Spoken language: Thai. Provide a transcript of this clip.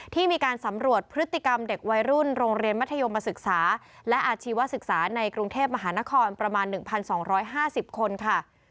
ที่มีการสำรวจพฤติกรรมเด็กวัยรุ่นโรงเรียนมัธยมศึกษาและอาชีวศึกษาในกรุงเทพมหานครประมาณ๑๒๕๐คนค่ะ